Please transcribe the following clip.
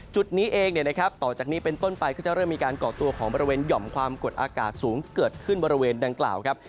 จุดนี้เองต่อจากนี้เป็นต้นไปก็จะเริ่มมีการก่อตัวของบริเวณหย่อมความกดอากาศสูงเกิดขึ้นบริเวณดังกล่าวครับ